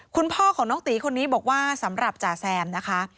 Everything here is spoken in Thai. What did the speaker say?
คุณพ่อของน้องตีคนนี้บอกว่าสำหรับจ่าแซมนะคะ